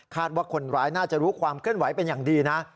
ว่าคนร้ายน่าจะรู้ความเคลื่อนไหวเป็นอย่างดีนะ